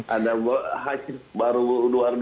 ada hasil baru luar